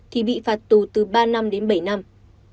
thì bị phạt tù từ ba năm đến bảy năm